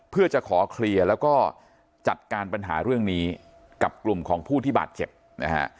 เพื่อจะขอเคลียร์แล้วก็จัดการปัญหาเรื่องนี้กับกลุ่มของผู้ที่บาดเจ็บนะฮะ